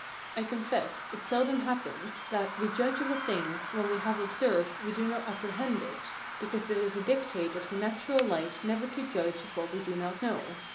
I confess it seldom happens that we judge of a thing when we have observed we do not apprehend it, because it is a dictate of the natural light never to judge of what we do not know.